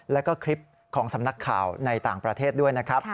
แล้วก็คลิปของสำนักข่าวในต่างประเทศด้วยนะครับ